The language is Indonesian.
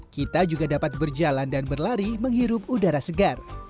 kita juga dapat berjalan dan berlari menghirup udara segar